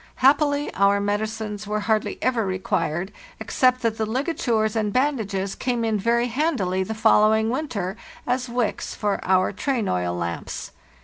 Happily our medicines were hardly ever required, except that the ligatures and bandages came in very handily the following winter as wicks for our train oil lamps.